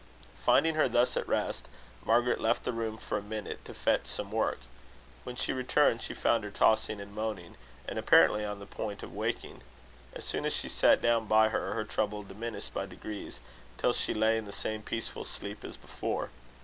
Finding her thus at rest, Margaret left the room for a minute, to fetch some work. When she returned, she found her tossing, and moaning, and apparently on the point of waking. As soon as she sat down by her, her trouble diminished by degrees, till she lay in the same peaceful sleep as before.